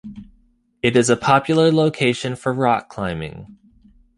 It is a popular location for rock climbing.